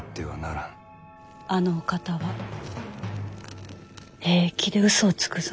あのお方は平気で嘘をつくぞ。